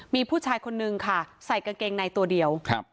มีผู้ชายคนนึงค่ะใส่กางเกงในตัวเดียวครับ